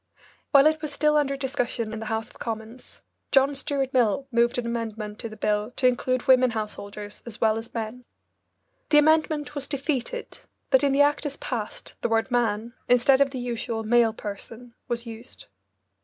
While it was still under discussion in the House of Commons, John Stuart Mill moved an amendment to the bill to include women householders as well as men. The amendment was defeated, but in the act as passed the word "man," instead of the usual "male person," was used.